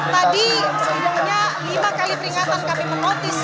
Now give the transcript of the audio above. tadi sejauhnya lima kali peringatan kami notice